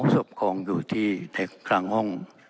๒ศพคลองอยู่ที่ในกลางห้อง